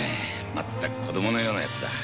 まったく子供のようなやつだ。